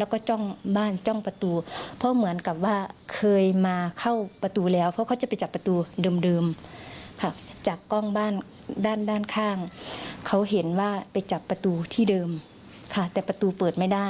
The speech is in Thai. เขาเห็นว่าไปจับประตูที่เดิมค่ะแต่ประตูเปิดไม่ได้